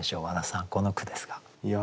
和田さんこの句ですが。